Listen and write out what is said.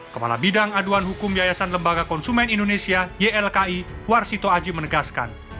kepala bidang aduan hukum yayasan lembaga konsumen indonesia ylki warsito aji menegaskan